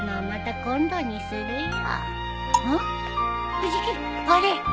藤木あれ！